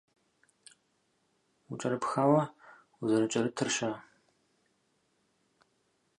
УкӀэрыпхауэ узэрыкӀэрытыр-щэ?